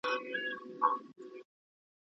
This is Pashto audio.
ټوليز سياسي چلند د ټولنې پر برخليک اغېز کوي.